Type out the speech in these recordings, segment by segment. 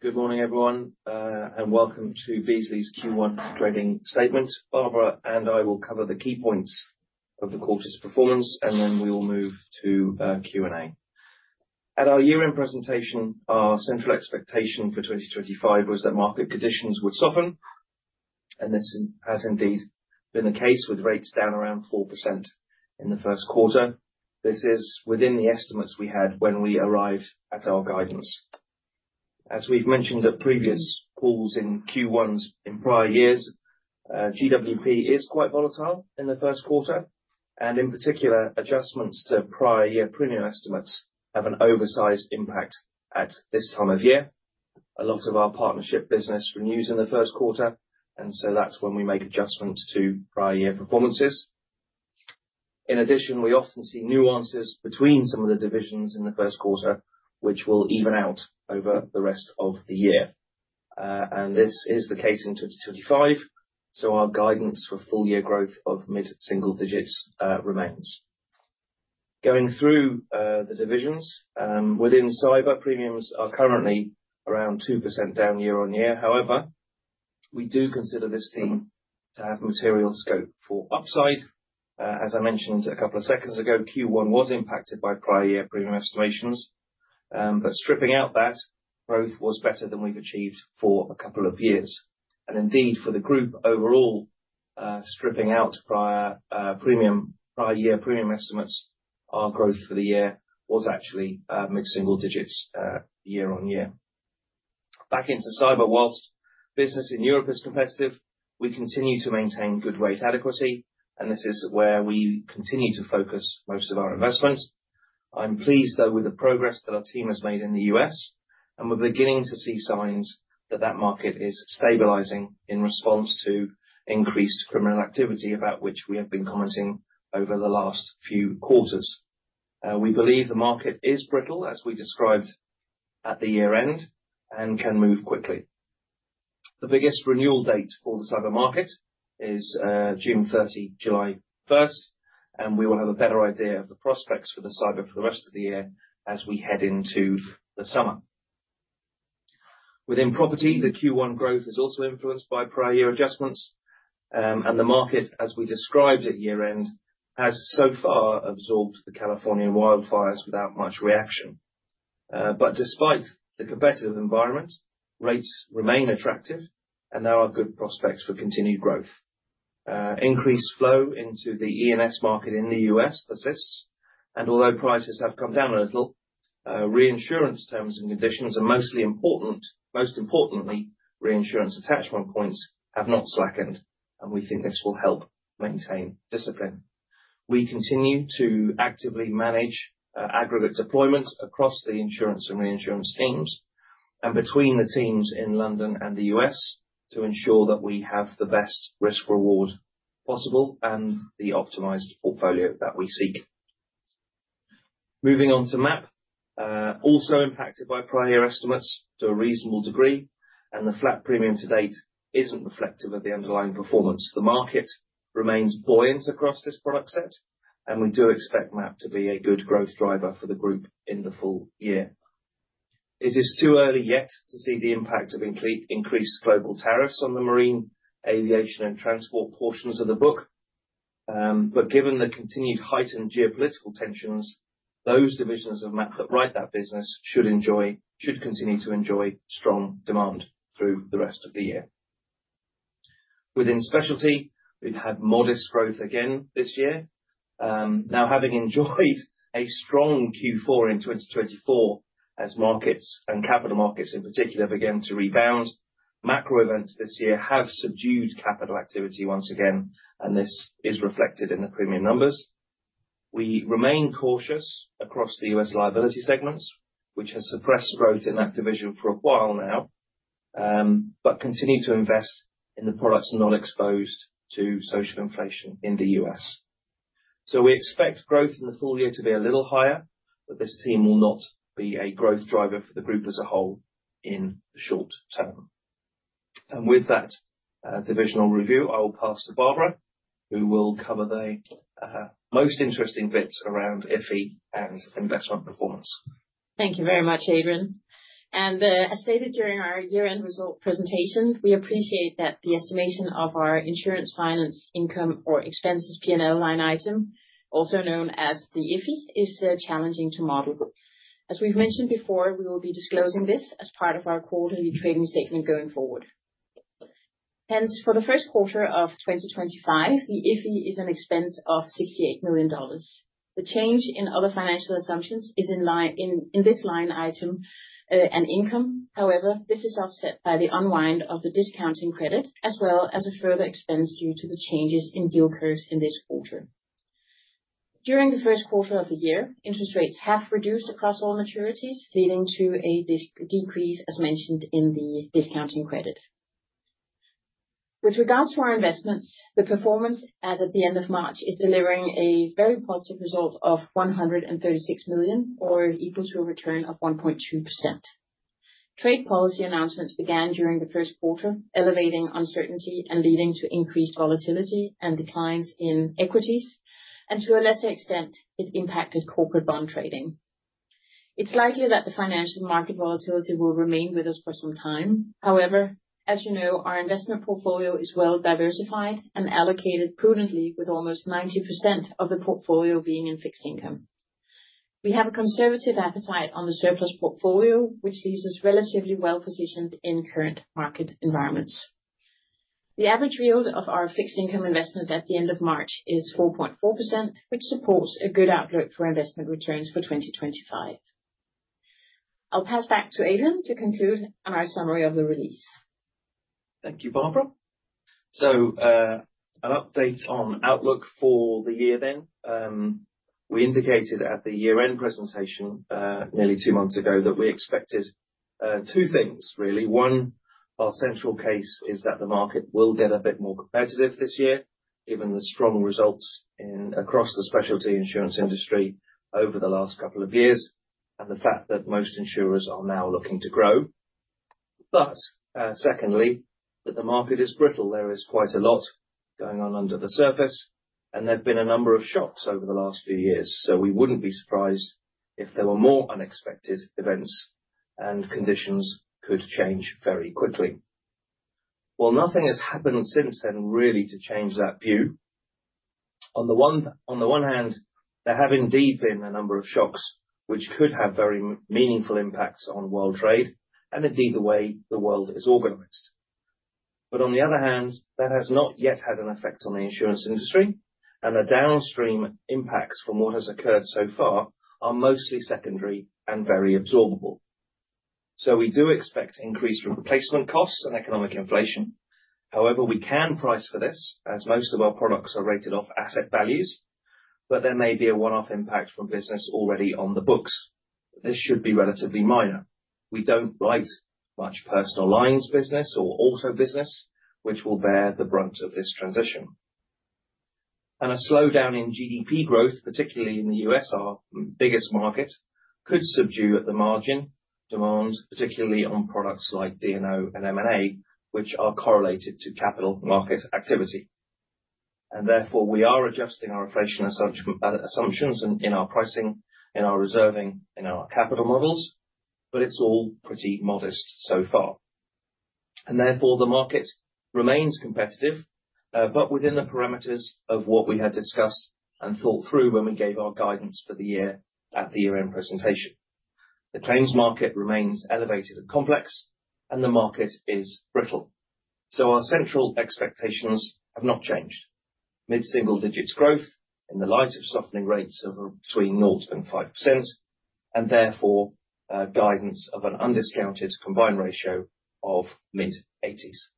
Good morning, everyone, and welcome to Beazley's Q1 Trading Statement. Barbara and I will cover the key points of the quarter's performance, and then we will move to Q&A. At our year-end presentation, our central expectation for 2025 was that market conditions would soften, and this has indeed been the case, with rates down around 4% in the Q1. This is within the estimates we had when we arrived at our guidance. As we've mentioned at previous calls in Q1s in prior years, GWP is quite volatile in the Q1, and in particular, adjustments to prior year premium estimates have an oversized impact at this time of year. A lot of our partnership business renews in the Q1, and so that's when we make adjustments to prior year performances. In addition, we often see nuances between some of the divisions in the Q1, which will even out over the rest of the year. This is the case in 2025, so our guidance for full-year growth of mid-single digits remains. Going through the divisions, within Cyber, premiums are currently around 2% down year on year. However, we do consider this theme to have material scope for upside. As I mentioned a couple of seconds ago, Q1 was impacted by prior year premium estimations, but stripping out that, growth was better than we've achieved for a couple of years. Indeed, for the group overall, stripping out prior year premium estimates, our growth for the year was actually mid-single digits year on year. Back into cyber, whilst business in Europe is competitive, we continue to maintain good rate adequacy, and this is where we continue to focus most of our investments. I'm pleased, though, with the progress that our team has made in the US, and we're beginning to see signs that that market is stabilizing in response to increased criminal activity about which we have been commenting over the last few quarters. We believe the market is brittle, as we described at the year-end, and can move quickly. The biggest renewal date for the cyber market is 30 June 2025, 1 July 2025, and we will have a better idea of the prospects for the cyber for the rest of the year as we head into the summer. Within Property, the Q1 growth is also influenced by prior year adjustments, and the market, as we described at year-end, has so far absorbed the California wildfires without much reaction. Despite the competitive environment, rates remain attractive, and there are good prospects for continued growth. Increased flow into the E&S market in the US persists, and although prices have come down a little, reinsurance terms and conditions, most importantly reinsurance attachment points, have not slackened, and we think this will help maintain discipline. We continue to actively manage aggregate deployment across the insurance and reinsurance teams and between the teams in London and the US to ensure that we have the best risk-reward possible and the optimized portfolio that we seek. Moving on to MAP, also impacted by prior year estimates to a reasonable degree, the flat premium to date is not reflective of the underlying performance. The market remains buoyant across this product set, and we do expect MAP to be a good growth driver for the group in the full year. It is too early yet to see the impact of increased global tariffs on the marine, aviation, and transport portions of the book, but given the continued heightened geopolitical tensions, those divisions of MAP that write that business should continue to enjoy strong demand through the rest of the year. Within Specialty, we've had modest growth again this year. Now, having enjoyed a strong Q4 in 2024 as markets and capital markets in particular began to rebound, macro events this year have subdued capital activity once again, and this is reflected in the premium numbers. We remain cautious across the US liability segments, which has suppressed growth in that division for a while now, but continue to invest in the products not exposed to social inflation in the US. We expect growth in the full year to be a little higher, but this theme will not be a growth driver for the group as a whole in the short term. With that divisional review, I will pass to Barbara, who will cover the most interesting bits around IFI and investment performance. Thank you very much, Adrian. As stated during our year-end result presentation, we appreciate that the estimation of our insurance finance income or expenses P&L line item, also known as the IFI, is challenging to model. As we've mentioned before, we will be disclosing this as part of our quarterly trading statement going forward. Hence, for the Q1 of 2025, the IFI is an expense of $68 million. The change in other financial assumptions is in this line item an income. However, this is offset by the unwind of the discounting credit, as well as a further expense due to the changes in yield curves in this quarter. During the Q1 of the year, interest rates have reduced across all maturities, leading to a decrease, as mentioned, in the discounting credit. With regards to our investments, the performance as at the end of March is delivering a very positive result of $136 million, or equal to a return of 1.2%. Trade policy announcements began during the Q1, elevating uncertainty and leading to increased volatility and declines in equities, and to a lesser extent, it impacted corporate bond trading. It's likely that the financial market volatility will remain with us for some time. However, as you know, our investment portfolio is well diversified and allocated prudently, with almost 90% of the portfolio being in fixed income. We have a conservative appetite on the surplus portfolio, which leaves us relatively well positioned in current market environments. The average yield of our fixed income investments at the end of March is 4.4%, which supports a good outlook for investment returns for 2025. I'll pass back to Adrian to conclude our summary of the release. Thank you, Barbara. An update on outlook for the year then. We indicated at the year-end presentation nearly two months ago that we expected two things, really. One, our central case is that the market will get a bit more competitive this year, given the strong results across the specialty insurance industry over the last couple of years, and the fact that most insurers are now looking to grow. Secondly, that the market is brittle. There is quite a lot going on under the surface, and there have been a number of shocks over the last few years, so we would not be surprised if there were more unexpected events and conditions could change very quickly. While nothing has happened since then, really, to change that view, on the one hand, there have indeed been a number of shocks which could have very meaningful impacts on world trade and indeed the way the world is organized. On the other hand, that has not yet had an effect on the insurance industry, and the downstream impacts from what has occurred so far are mostly secondary and very absorbable. We do expect increased replacement costs and economic inflation. However, we can price for this, as most of our products are rated off asset values, but there may be a one-off impact from business already on the books. This should be relatively minor. We don't write much personal lines business or auto business, which will bear the brunt of this transition. A slowdown in GDP growth, particularly in the U.S., our biggest market, could subdue at the margin demand, particularly on products like D&O and M&A, which are correlated to capital market activity. We are adjusting our inflation assumptions in our pricing, in our reserving, in our capital models, but it is all pretty modest so far. The market remains competitive, but within the parameters of what we had discussed and thought through when we gave our guidance for the year at the year-end presentation. The claims market remains elevated and complex, and the market is brittle. Our central expectations have not changed. Mid-single digits growth in the light of softening rates of between 0%-5%, and guidance of an undiscounted combined ratio of mid-80s.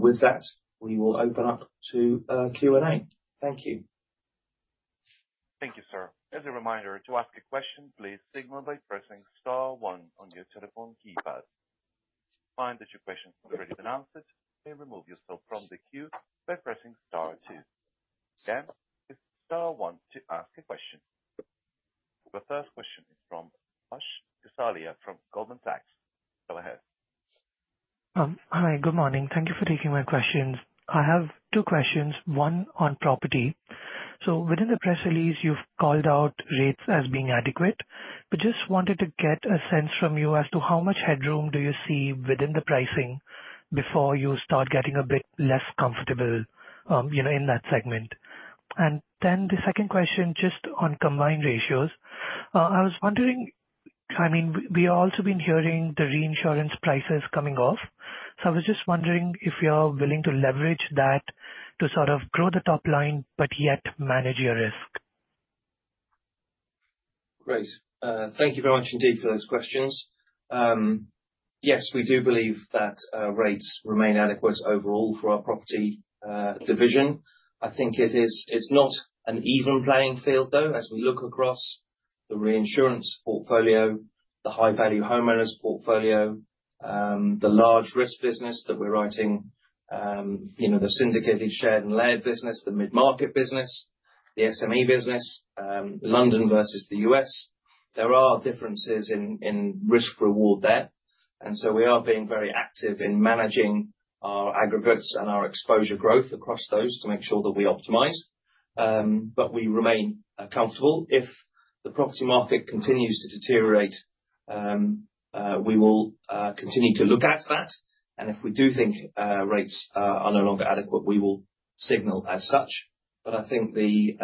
With that, we will open up to Q&A. Thank you. Thank you, sir. As a reminder, to ask a question, please signal by pressing Star 1 on your telephone keypad. If you find that your question has already been answered and you wish to remove yourself from the queue, please press Star 2. Star 1 to ask a question. The first question is from Sally from Goldman Sachs. Go ahead. Hi, good morning. Thank you for taking my questions. I have two questions. One on property. Within the press release, you've called out rates as being adequate, but just wanted to get a sense from you as to how much headroom do you see within the pricing before you start getting a bit less comfortable in that segment. The second question, just on combined ratios. I was wondering, I mean, we have also been hearing the reinsurance prices coming off, so I was just wondering if you're willing to leverage that to sort of grow the top line, but yet manage your risk. Great. Thank you very much indeed for those questions. Yes, we do believe that rates remain adequate overall for our property division. I think it's not an even playing field, though, as we look across the reinsurance portfolio, the high-value homeowners portfolio, the large risk business that we're writing, the syndicated shared and layered business, the mid-market business, the SME business, London versus the US. There are differences in risk-reward there, and so we are being very active in managing our aggregates and our exposure growth across those to make sure that we optimize. We remain comfortable. If the property market continues to deteriorate, we will continue to look at that, and if we do think rates are no longer adequate, we will signal as such. I think the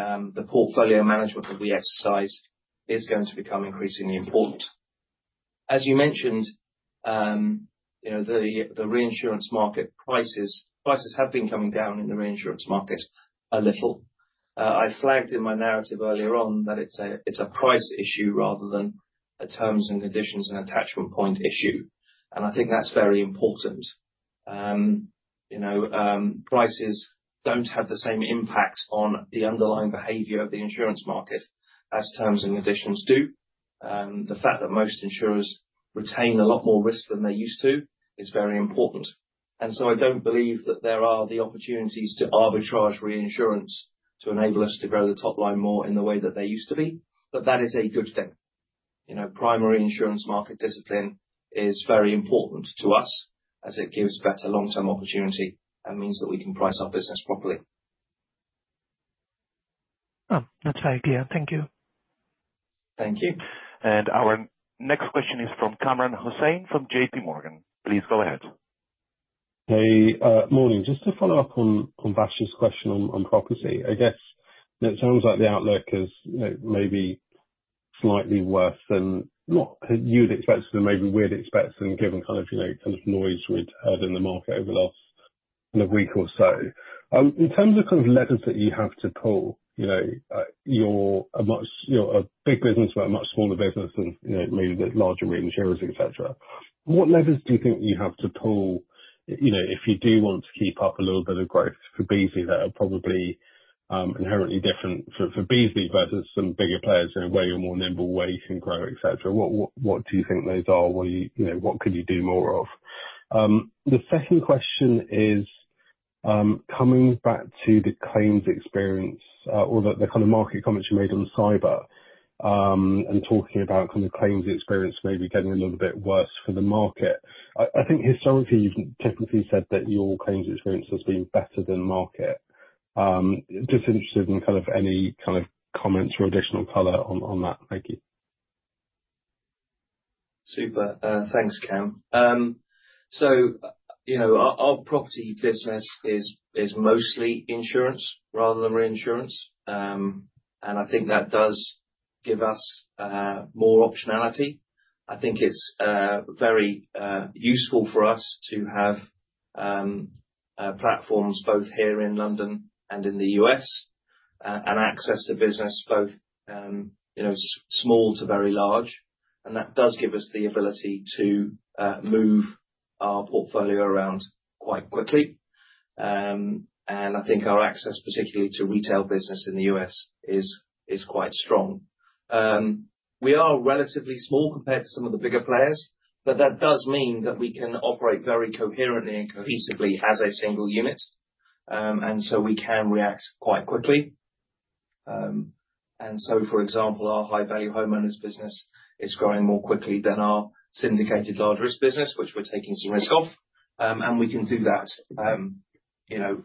portfolio management that we exercise is going to become increasingly important. As you mentioned, the reinsurance market prices have been coming down in the reinsurance market a little. I flagged in my narrative earlier on that it's a price issue rather than a terms and conditions and attachment point issue, and I think that's very important. Prices do not have the same impact on the underlying behavior of the insurance market as terms and conditions do. The fact that most insurers retain a lot more risk than they used to is very important. I do not believe that there are the opportunities to arbitrage reinsurance to enable us to grow the top line more in the way that they used to be, but that is a good thing. Primary insurance market discipline is very important to us as it gives better long-term opportunity and means that we can price our business properly. That's very clear. Thank you. Thank you. Our next question is from Kamran Hussain from JP Morgan. Please go ahead. Hey, morning. Just to follow up on Sachs question on property, I guess it sounds like the outlook is maybe slightly worse than you'd expect and maybe we'd expect and given kind of noise we'd heard in the market over the last week or so. In terms of kind of levers that you have to pull, you're a big business with a much smaller business and maybe the larger reinsurers, etc. What levers do you think you have to pull if you do want to keep up a little bit of growth for Beazley that are probably inherently different for Beazley versus some bigger players in a way or more nimble way you can grow, etc.? What do you think those are? What could you do more of? The second question is coming back to the claims experience or the kind of market comments you made on cyber and talking about kind of claims experience maybe getting a little bit worse for the market. I think historically, you've technically said that your claims experience has been better than market. Just interested in kind of any kind of comments or additional color on that. Thank you. Super. Thanks, Kam. Our property business is mostly insurance rather than reinsurance, and I think that does give us more optionality. I think it is very useful for us to have platforms both here in London and in the US and access to business both small to very large, and that does give us the ability to move our portfolio around quite quickly. I think our access, particularly to retail business in the US, is quite strong. We are relatively small compared to some of the bigger players, but that does mean that we can operate very coherently and cohesively as a single unit, so we can react quite quickly. For example, our high-value homeowners business is growing more quickly than our syndicated large risk business, which we are taking some risk off, and we can do that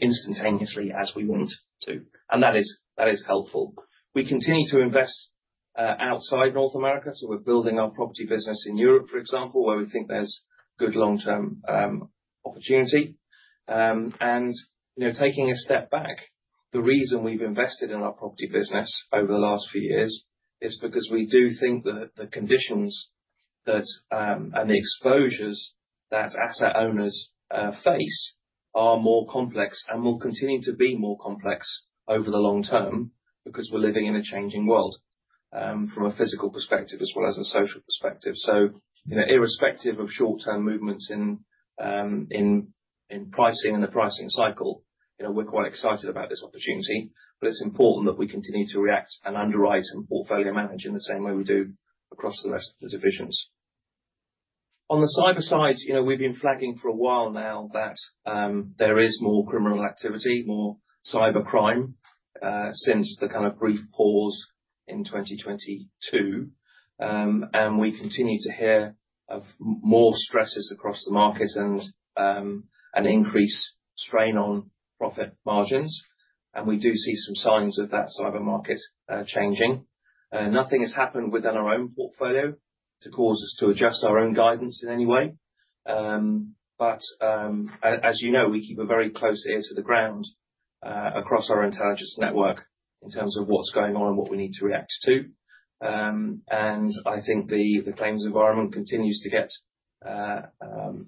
instantaneously as we want to. That is helpful. We continue to invest outside North America, so we're building our property business in Europe, for example, where we think there's good long-term opportunity. Taking a step back, the reason we've invested in our property business over the last few years is because we do think that the conditions and the exposures that asset owners face are more complex and will continue to be more complex over the long term because we're living in a changing world from a physical perspective as well as a social perspective. Irrespective of short-term movements in pricing and the pricing cycle, we're quite excited about this opportunity, but it's important that we continue to react and underwrite and portfolio manage in the same way we do across the rest of the divisions. On the cyber side, we've been flagging for a while now that there is more criminal activity, more cyber crime since the kind of brief pause in 2022, and we continue to hear of more stresses across the market and an increased strain on profit margins, and we do see some signs of that cyber market changing. Nothing has happened within our own portfolio to cause us to adjust our own guidance in any way, but as you know, we keep a very close ear to the ground across our intelligence network in terms of what's going on and what we need to react to. I think the claims environment continues to get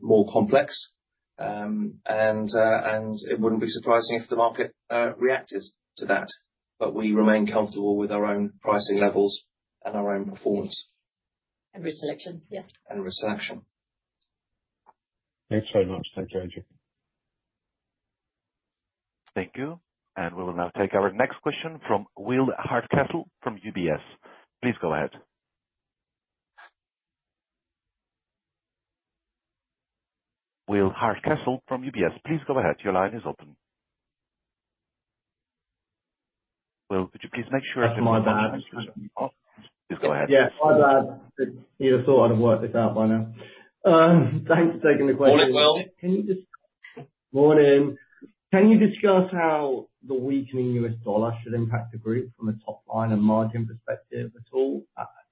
more complex, and it wouldn't be surprising if the market reacted to that, but we remain comfortable with our own pricing levels and our own performance. Reselection, yes. And reselection. Thanks very much. Thank you, Andrew. Thank you. We will now take our next question from Will Hardcastle from UBS. Please go ahead. Will Hardcastle from UBS, please go ahead. Your line is open. Will, could you please make sure? That's my bad. Please go ahead. Yes, my bad. You've sort of worked this out by now. Thanks for taking the question. Morning, Will. Morning. Can you discuss how the weakening US dollar should impact the group from a top line and margin perspective at all?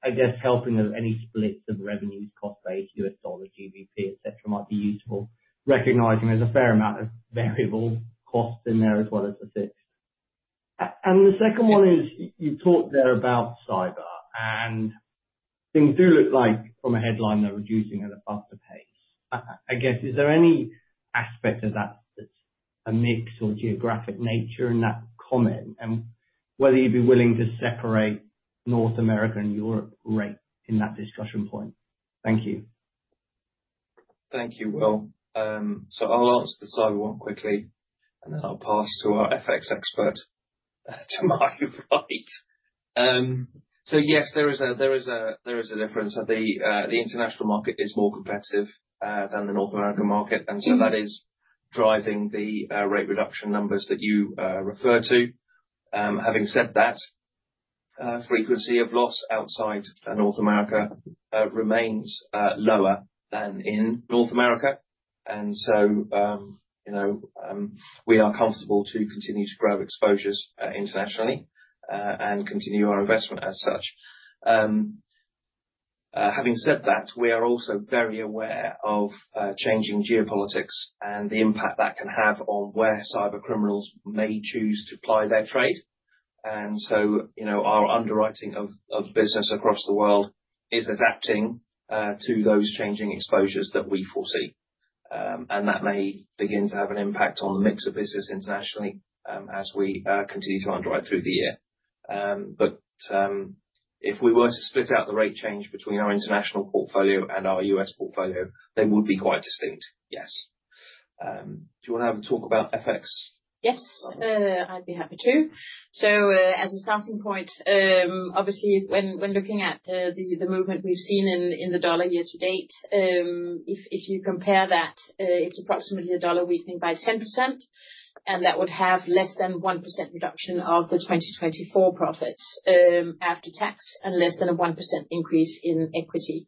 I guess helping of any splits of revenues, cost-based, US dollar, GBP, etc., might be useful, recognizing there's a fair amount of variable costs in there as well as the fixed. The second one is you talked there about cyber, and things do look like from a headline they're reducing at a faster pace. I guess, is there any aspect of that that's a mix or geographic nature in that comment, and whether you'd be willing to separate North America and Europe right in that discussion point? Thank you. Thank you, Will. I'll answer the cyber one quickly, and then I'll pass to our FX expert to my right. Yes, there is a difference. The international market is more competitive than the North American market, and that is driving the rate reduction numbers that you refer to. Having said that, frequency of loss outside North America remains lower than in North America, and we are comfortable to continue to grow exposures internationally and continue our investment as such. Having said that, we are also very aware of changing geopolitics and the impact that can have on where cyber criminals may choose to ply their trade. Our underwriting of business across the world is adapting to those changing exposures that we foresee, and that may begin to have an impact on the mix of business internationally as we continue to underwrite through the year. If we were to split out the rate change between our international portfolio and our US portfolio, they would be quite distinct, yes. Do you want to have a talk about FX? Yes, I'd be happy to. As a starting point, obviously, when looking at the movement we've seen in the dollar year to date, if you compare that, it's approximately a dollar weakening by 10%, and that would have less than 1% reduction of the 2024 profits after tax and less than a 1% increase in equity.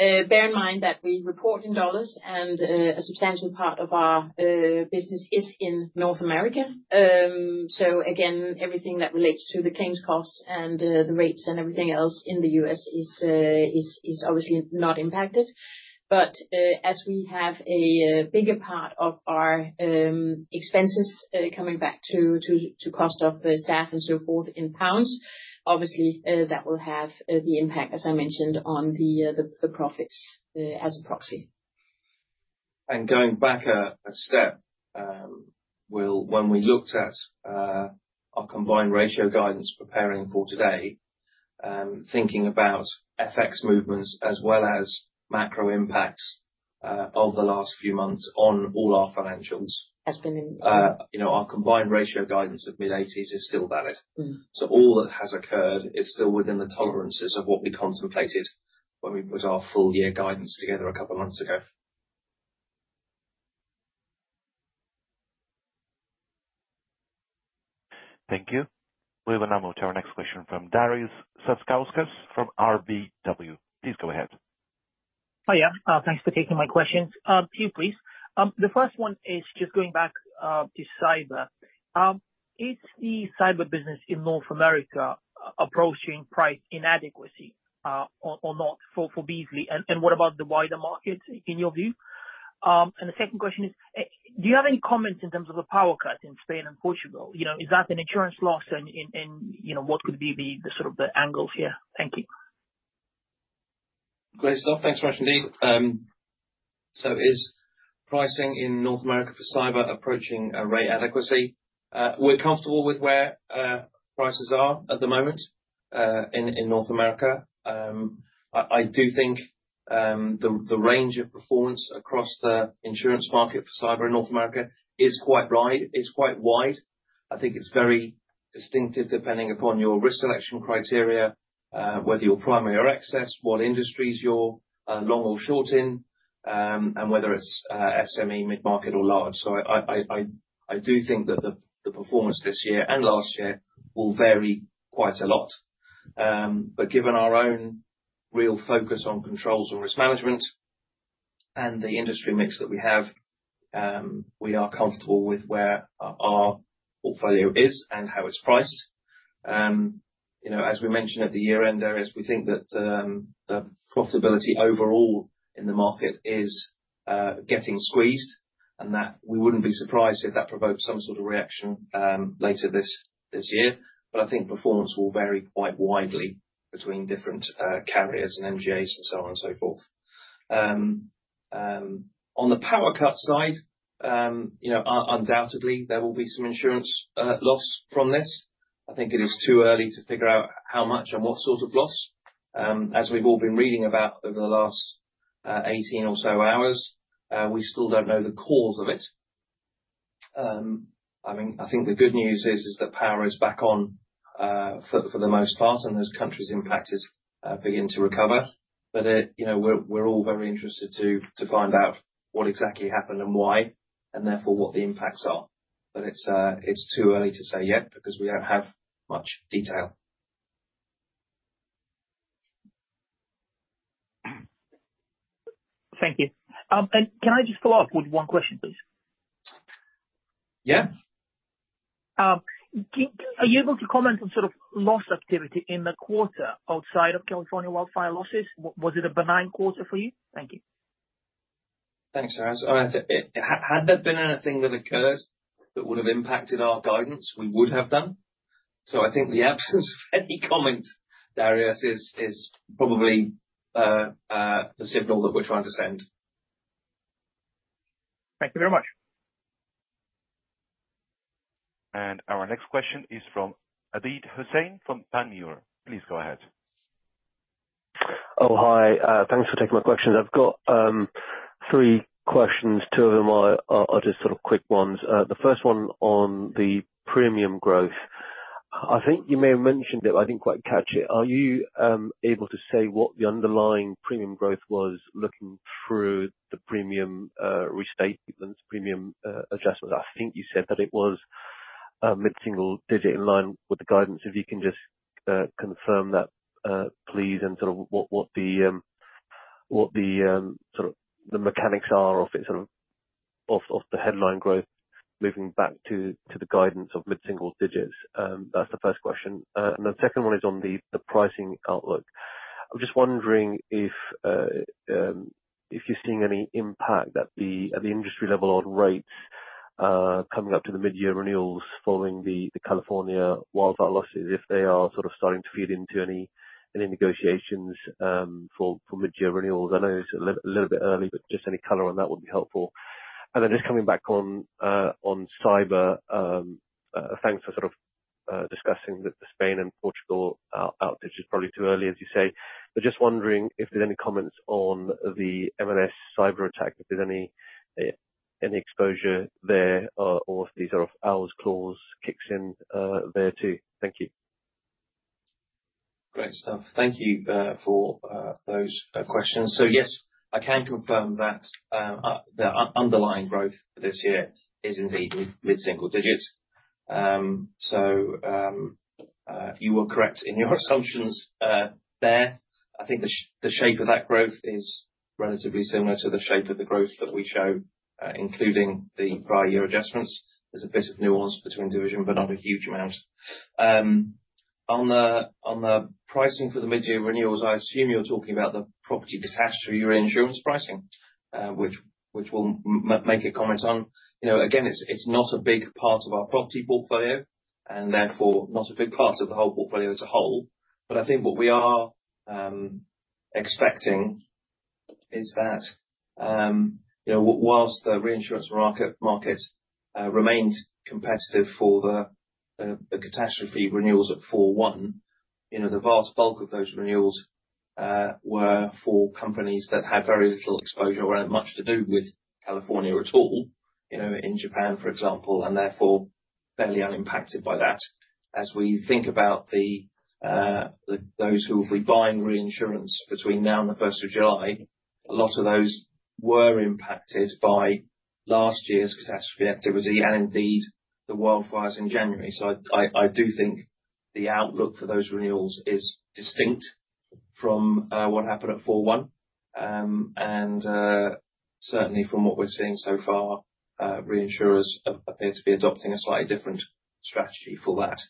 Bear in mind that we report in dollars, and a substantial part of our business is in North America. Again, everything that relates to the claims costs and the rates and everything else in the US is obviously not impacted. As we have a bigger part of our expenses coming back to cost of staff and so forth in pounds, obviously, that will have the impact, as I mentioned, on the profits as a proxy. Going back a step, Will, when we looked at our combined ratio guidance preparing for today, thinking about FX movements as well as macro impacts of the last few months on all our financials. Has been in. Our combined ratio guidance of mid-80s is still valid. All that has occurred is still within the tolerances of what we contemplated when we put our full year guidance together a couple of months ago. Thank you. We will now move to our next question from Darius Satkauskasfrom RBC. Please go ahead. Hi, yeah. Thanks for taking my questions. To you, please. The first one is just going back to cyber. Is the cyber business in North America approaching price inadequacy or not for Beazley, and what about the wider market in your view? The second question is, do you have any comments in terms of the power cuts in Spain and Portugal? Is that an insurance loss, and what could be the sort of angles here? Thank you. Great stuff. Thanks very much, indeed. Is pricing in North America for cyber approaching rate adequacy? We're comfortable with where prices are at the moment in North America. I do think the range of performance across the insurance market for cyber in North America is quite wide. I think it's very distinctive depending upon your risk selection criteria, whether your primary or excess, what industries you're long or short in, and whether it's SME, mid-market, or large. I do think that the performance this year and last year will vary quite a lot. Given our own real focus on controls and risk management and the industry mix that we have, we are comfortable with where our portfolio is and how it's priced. As we mentioned at the year-end areas, we think that profitability overall in the market is getting squeezed, and that we would not be surprised if that provokes some sort of reaction later this year. I think performance will vary quite widely between different carriers and MGAs and so on and so forth. On the power cut side, undoubtedly, there will be some insurance loss from this. I think it is too early to figure out how much and what sort of loss. As we have all been reading about over the last 18 or so hours, we still do not know the cause of it. I think the good news is that power is back on for the most part, and those countries impacted begin to recover. We are all very interested to find out what exactly happened and why, and therefore what the impacts are. It's too early to say yet because we don't have much detail. Thank you. Can I just follow up with one question, please? Yeah. Are you able to comment on sort of loss activity in the quarter outside of California wildfire losses? Was it a benign quarter for you? Thank you. Thanks, Darius. Had there been anything that occurred that would have impacted our guidance, we would have done. I think the absence of any comment, Darius, is probably the signal that we're trying to send. Thank you very much. Our next question is from Abid Hussain from Panmure Liberum. Please go ahead. Oh, hi. Thanks for taking my questions. I've got three questions. Two of them are just sort of quick ones. The first one on the premium growth. I think you may have mentioned it, but I didn't quite catch it. Are you able to say what the underlying premium growth was looking through the premium restatements, premium adjustments? I think you said that it was mid-single digit in line with the guidance. If you can just confirm that, please, and sort of what the sort of the mechanics are of it, sort of of the headline growth moving back to the guidance of mid-single digits. That's the first question. The second one is on the pricing outlook. I'm just wondering if you're seeing any impact at the industry level on rates coming up to the mid-year renewals following the California wildfire losses, if they are sort of starting to feed into any negotiations for mid-year renewals. I know it's a little bit early, but just any color on that would be helpful. Just coming back on cyber, thanks for sort of discussing the Spain and Portugal outreach. It's probably too early, as you say. Just wondering if there's any comments on the M&S cyber attack, if there's any exposure there or if these sort of hours clause kicks in there too. Thank you. Great stuff. Thank you for those questions. Yes, I can confirm that the underlying growth this year is indeed mid-single digits. You were correct in your assumptions there. I think the shape of that growth is relatively similar to the shape of the growth that we show, including the prior year adjustments. There is a bit of nuance between division, but not a huge amount. On the pricing for the mid-year renewals, I assume you are talking about the property catastrophe reinsurance pricing, which we will make a comment on. Again, it is not a big part of our property portfolio and therefore not a big part of the whole portfolio as a whole. I think what we are expecting is that whilst the reinsurance market remained competitive for the catastrophe renewals at 4.1, the vast bulk of those renewals were for companies that had very little exposure or had much to do with California at all in Japan, for example, and therefore barely unimpacted by that. As we think about those who will be buying reinsurance between now and the 1 July 2025, a lot of those were impacted by last year's catastrophe activity and indeed the wildfires in January. I do think the outlook for those renewals is distinct from what happened at 4.1. Certainly from what we're seeing so far, reinsurers appear to be adopting a slightly different strategy for that.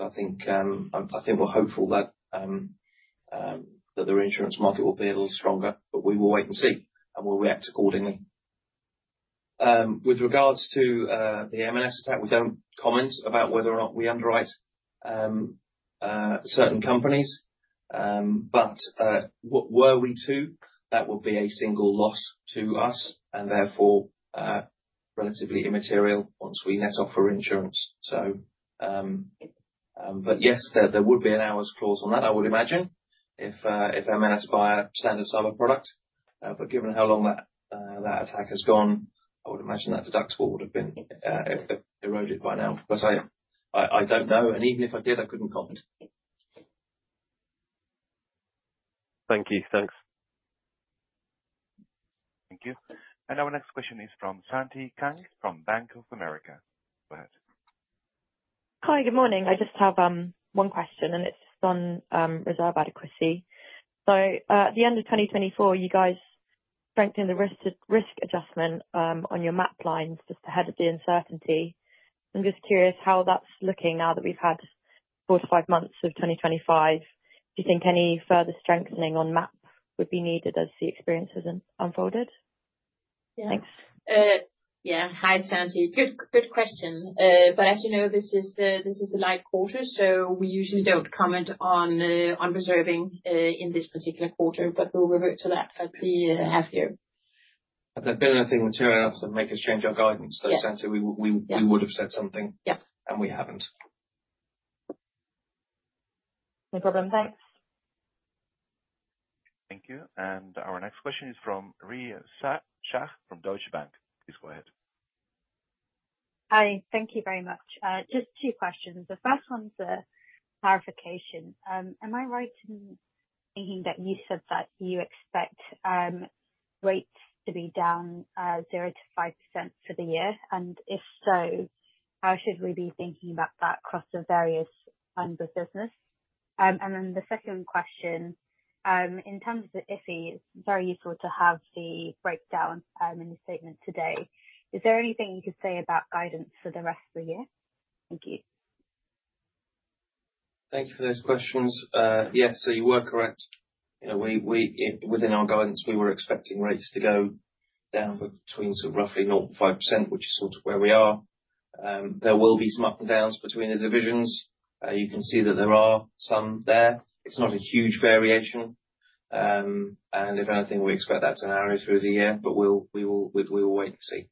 I think we're hopeful that the reinsurance market will be a little stronger, but we will wait and see and we'll react accordingly. With regards to the M&S attack, we don't comment about whether or not we underwrite certain companies. Were we to, that would be a single loss to us and therefore relatively immaterial once we net off for reinsurance. Yes, there would be an hours clause on that, I would imagine, if M&S buy a standard cyber product. Given how long that attack has gone, I would imagine that deductible would have been eroded by now. I don't know. Even if I did, I couldn't comment. Thank you. Thank you. Thank you. Our next question is from Shanti Kang from Bank of America. Go ahead. Hi, good morning. I just have one question, and it's on reserve adequacy. At the end of 2024, you guys strengthened the risk adjustment on your MAP lines just ahead of the uncertainty. I'm just curious how that's looking now that we've had four to five months of 2025. Do you think any further strengthening on MAP would be needed as the experience has unfolded? Thanks. Yeah. Hi, Shanti. Good question. As you know, this is a light quarter, so we usually don't comment on reserving in this particular quarter, but we'll revert to that at the half year. If there's been anything material, obviously, make a change of guidance. Shanti, we would have said something, and we haven't. No problem. Thanks. Thank you. Our next question is from Rhea Shah from Deutsche Bank. Please go ahead. Hi. Thank you very much. Just two questions. The first one's a clarification. Am I right in thinking that you said that you expect rates to be down 0-5% for the year? If so, how should we be thinking about that across the various lines of business? The second question, in terms of the IFI, it's very useful to have the breakdown in the statement today. Is there anything you could say about guidance for the rest of the year? Thank you. Thanks for those questions. Yes, you were correct. Within our guidance, we were expecting rates to go down between sort of roughly 0-5%, which is sort of where we are. There will be some up and downs between the divisions. You can see that there are some there. It's not a huge variation. If anything, we expect that to narrow through the year, but we will wait and see.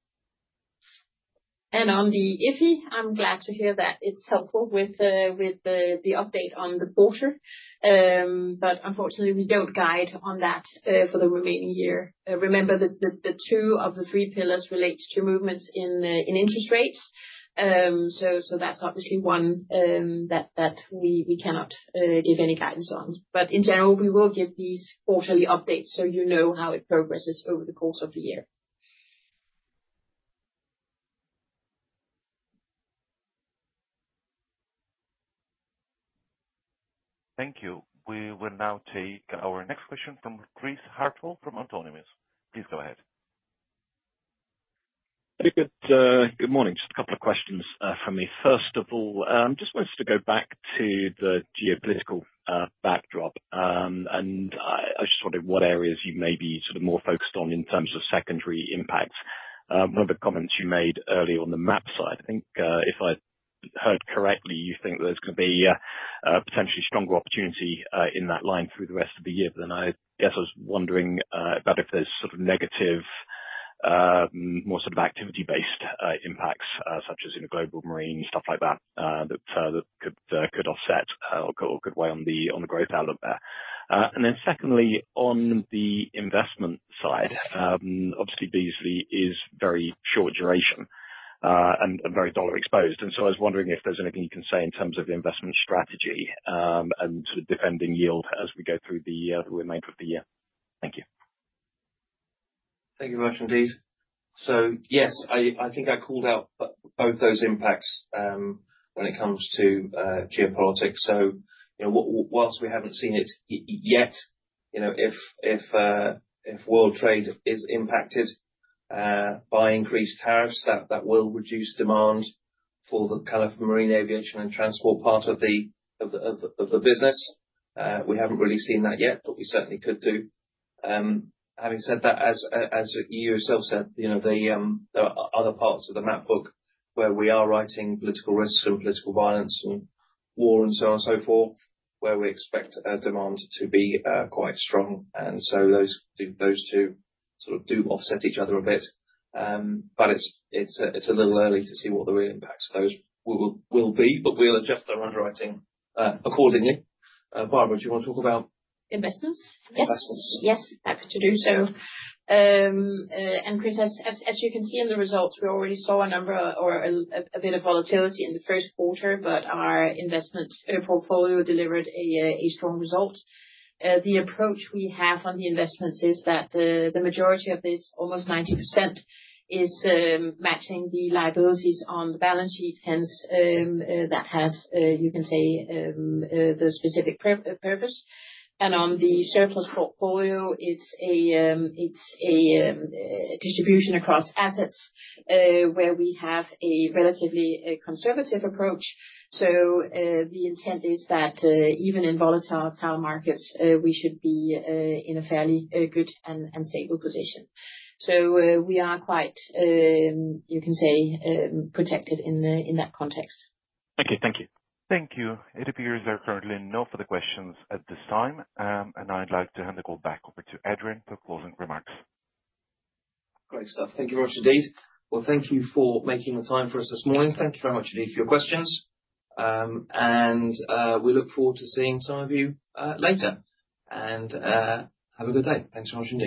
On the IFI, I'm glad to hear that it's helpful with the update on the quarter. Unfortunately, we don't guide on that for the remaining year. Remember that two of the three pillars relate to movements in interest rates. That's obviously one that we cannot give any guidance on. In general, we will give these quarterly updates so you know how it progresses over the course of the year. Thank you. We will now take our next question from Chris Hartwell from Autonomous. Please go ahead. Good morning. Just a couple of questions for me. First of all, I just wanted to go back to the geopolitical backdrop. I just wondered what areas you may be sort of more focused on in terms of secondary impacts. One of the comments you made earlier on the MAP side, I think if I heard correctly, you think there's going to be a potentially stronger opportunity in that line through the rest of the year. I guess I was wondering about if there's sort of negative, more sort of activity-based impacts, such as in the global marine, stuff like that, that could offset or could weigh on the growth outlook there. Secondly, on the investment side, obviously, Beazley is very short duration and very dollar-exposed. I was wondering if there's anything you can say in terms of the investment strategy and sort of defending yield as we go through the remainder of the year. Thank you. Thank you very much, indeed. Yes, I think I called out both those impacts when it comes to geopolitics. Whilst we have not seen it yet, if world trade is impacted by increased tariffs, that will reduce demand for the kind of marine, aviation, and transport part of the business. We have not really seen that yet, but we certainly could do. Having said that, as you yourself said, there are other parts of the MAP book where we are writing political risk and political violence and war and so on and so forth, where we expect demand to be quite strong. Those two sort of do offset each other a bit. It is a little early to see what the real impacts of those will be, but we will adjust our underwriting accordingly. Barbara, do you want to talk about. Investments? Yes. Yes, happy to do so. Chris, as you can see in the results, we already saw a number or a bit of volatility in the Q1, but our investment portfolio delivered a strong result. The approach we have on the investments is that the majority of this, almost 90%, is matching the liabilities on the balance sheet. That has, you can say, the specific purpose. On the surplus portfolio, it is a distribution across assets where we have a relatively conservative approach. The intent is that even in volatile markets, we should be in a fairly good and stable position. We are quite, you can say, protected in that context. Thank you. Thank you. It appears there are currently no further questions at this time. I'd like to hand the call back over to Adrian for closing remarks. Great stuff. Thank you very much, indeed. Thank you for making the time for us this morning. Thank you very much, indeed, for your questions. We look forward to seeing some of you later. Have a good day. Thanks very much.